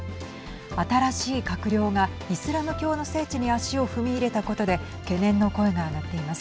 新しい閣僚がイスラム教の聖地に足を踏み入れたことで懸念の声が上がっています。